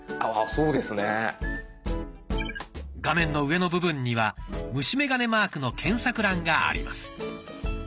画面の上の部分には虫眼鏡マークの検索欄があります。